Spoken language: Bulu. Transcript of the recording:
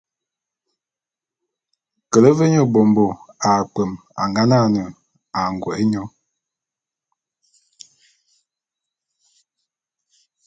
Kele ve nye mbômbo akpwem a nga nane angô’é nyô.